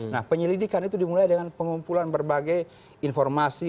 nah penyelidikan itu dimulai dengan pengumpulan berbagai informasi